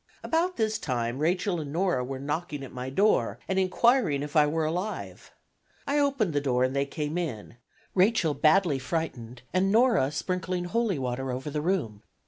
About this time Rachel and Nora were knocking, at my door and inquiring if I were alive. I opened the door and they came in, Rachel badly frightened and Nora sprinkling holy water over the room.